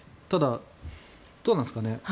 どうなんですかね。